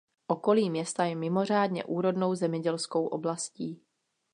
Okolí města je mimořádně úrodnou zemědělskou oblastí.